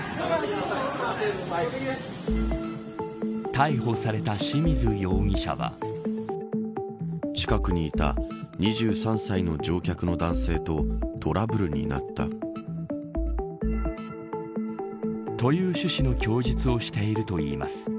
逮捕された清水容疑者は。という趣旨の供述をしているといいます。